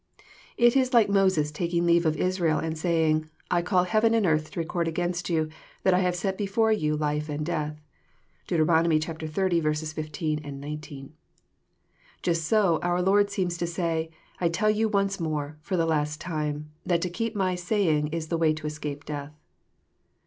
— It is like Moses taking leave of Israel and saying, " I call heaven and earth to record against you, that I have set before you lif« and death." (Deut. xxx. 15, 19.) Just so our Lord Beems to say, I tell you once more, for the last time, that to keep My saying is the way to escape death."